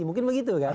mungkin begitu kan